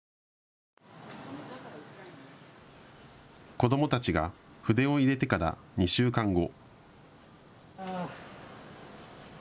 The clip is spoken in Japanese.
子どもたちが筆を入れてから２週間後。